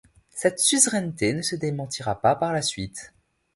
Cette suzeraineté ne se démentira pas par la suite.